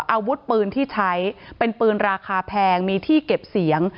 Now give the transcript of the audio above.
อาวุธปืนที่ใช้เป็นปืนราคาแพงมีที่เก็บเสียง